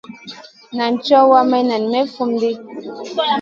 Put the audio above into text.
Naʼ cowa, maï naʼ may fum ɗi.